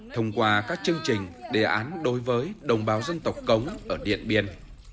thông qua các chương trình đề án đối với đồng bào dân tộc cống ở điện biên